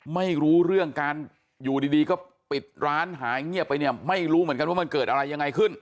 ไม่รู้เรื่องการอยู่ดีก็ปิดร้านหายเงียบไปเนี่ยไม่รู้เหมือนกันว่ามันเกิดอะไรยังไงขึ้น